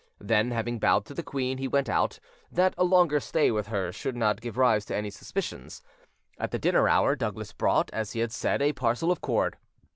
Then, having bowed to the queen, he went out, that a longer stay with her should not give rise to any suspicions. At the dinner hour Douglas brought, as he had said, a parcel of cord.